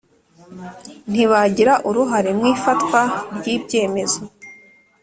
Ntibagira uruhare mu ifatwa ry ibyemezo